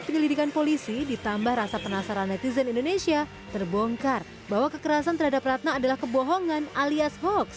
penyelidikan polisi ditambah rasa penasaran netizen indonesia terbongkar bahwa kekerasan terhadap ratna adalah kebohongan alias hoax